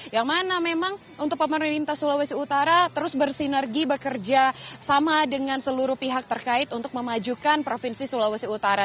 yang mana memang untuk pemerintah sulawesi utara terus bersinergi bekerja sama dengan seluruh pihak terkait untuk memajukan provinsi sulawesi utara